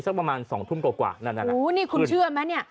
สักประมาณ๒ทุ่มกว่านั่นนี่คุณเชื่อมั้ย